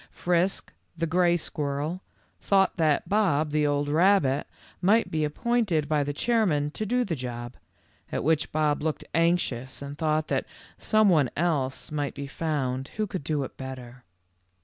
Frisk, the gray squirrel, thought that Bob, the old rabbit, might be appointed by the chairman to do the job, at which Bob looked anxious and thought that some one else might be found who could do it better.